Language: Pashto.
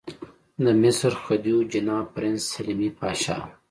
د مصر خدیو جناب پرنس حلمي پاشا.